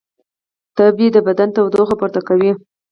تبې د بدن تودوخه پورته کوي